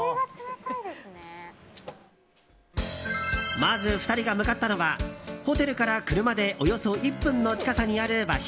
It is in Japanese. まず２人が向かったのはホテルから車でおよそ１分の近さにある場所。